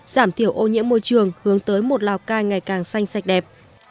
giảm thiểu ô nhiễm môi trường hướng tới một lào cai ngày càng xanh sạch đẹp